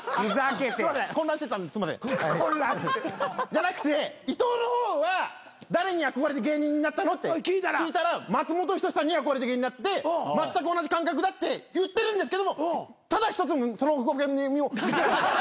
じゃなくて伊藤の方は誰に憧れて芸人になったのって聞いたら松本人志さんに憧れて芸人になってまったく同じ感覚だって言ってるんですけどもただ一つその。